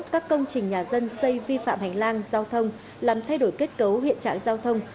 các công trình nhà dân xây vi phạm hành lang giao thông làm thay đổi kết cấu hiện trạng giao thông